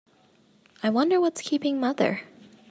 I wonder what's keeping mother?